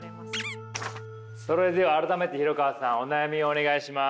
それでは改めて廣川さんお悩みをお願いします。